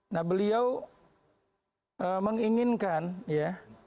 nah beliau menginginkan ya